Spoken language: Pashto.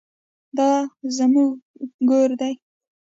دا زموږ ګور دی